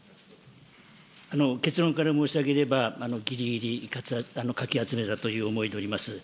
結論から申し上げれば、ぎりぎりかき集めたという思いでおります。